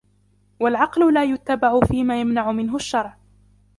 وَالْعَقْلُ لَا يُتَّبَعُ فِيمَا يَمْنَعُ مِنْهُ الشَّرْعُ